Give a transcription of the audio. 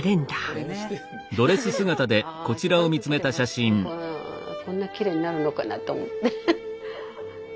あ時間かけてこんなきれいになるのかなと思って。